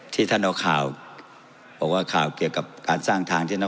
ที่ท่านเอาข่าวบอกว่าข่าวเกี่ยวกับการสร้างทางที่นั้น